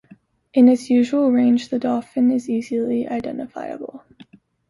In its usual range the dolphin is easily identifiable.